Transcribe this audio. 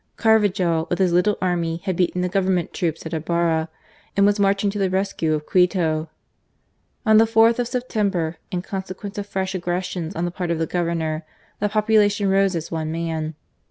Carvajal with his little army had beaten the Government troops at Ibarra and was marching to the rescue of Quito. On the 4th of September, in consequence of fresh aggressions on the part of the Governor, the population rose as one man.